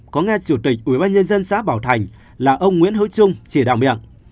có nghe chủ tịch ubnd xã bảo thành là ông nguyễn hữu trung chỉ đạo miệng